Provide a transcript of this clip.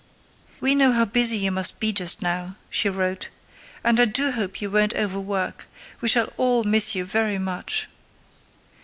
"We know how busy you must be just now", she wrote, "and I do hope you won't overwork; we shall all miss you very much."